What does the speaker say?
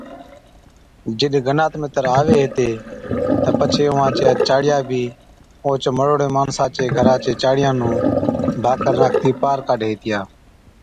جِڏ گنات مِتر آوي ھِتي تہ پڇي اُونهان چِيا چاڙِيا بِي اوهچ مروڙي ماڻسان چي گھرا چي چاڙِيان نُون ڀاڪر ناکتِي پار ڪاڍي هِتِيا